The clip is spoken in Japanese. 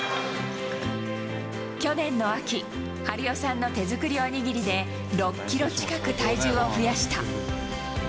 去年の秋、春代さんの手作りお握りで６キロ近く、体重を増やした。